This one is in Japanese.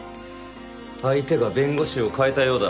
相手が弁護士を変えたようだ。